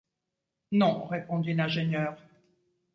Non, répondit l’ingénieur